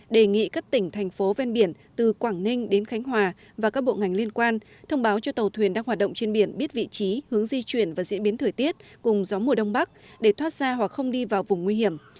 đề nghị các tỉnh thành phố ven biển từ quảng ninh đến khánh hòa và các bộ ngành liên quan thông báo cho tàu thuyền đang hoạt động trên biển biết vị trí hướng di chuyển và diễn biến thời tiết cùng gió mùa đông bắc để thoát ra hoặc không đi vào vùng nguy hiểm